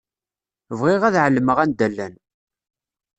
Bɣiɣ ad εelmeɣ anda llan.